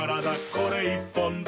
これ１本で」